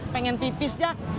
pengen pipis jak